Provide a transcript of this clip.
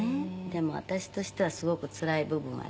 「でも私としてはすごくつらい部分はありましたね